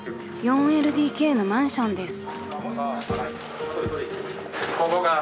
［４ＬＤＫのマンションです］